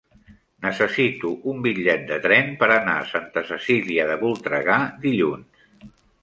Necessito un bitllet de tren per anar a Santa Cecília de Voltregà dilluns.